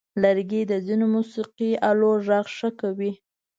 لرګی د ځینو موسیقي آلو غږ ښه کوي.